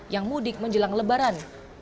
yang mudik menjelang lebaran